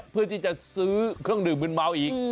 เพื่อที่จะซื้อเครื่องดื่มมืนเมาอีก